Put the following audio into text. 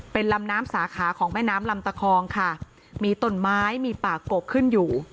เป็นลำน้ำสาขาของแม่น้ำลำตะคองค่ะมีต้นไม้มีป่ากบขึ้นอยู่